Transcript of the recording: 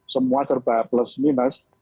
semua serba plus minus